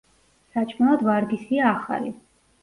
საჭმელად ვარგისია ახალი.